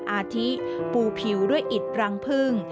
อาทิปูผิวด้วยอิดรังพึ่ง